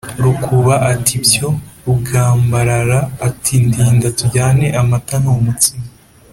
Rukuba ati pyo! Rugambarara ati ndinda tujyane- Amata n'umutsima